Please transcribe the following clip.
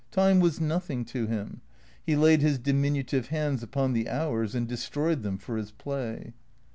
Time was nothing to him. He laid his diminutive hands upon the hours and destroyed them for his play.